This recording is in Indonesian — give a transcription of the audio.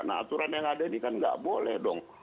nah aturan yang ada ini kan nggak boleh dong